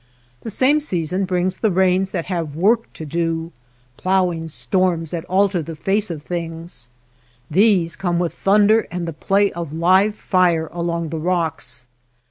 The same season brings the rains that have work to do, ploughing storms that alter the face of things. These come with thunder and the play of live fire along the rocks.